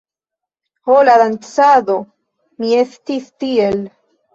Ho la dancado! Mi estis tiel...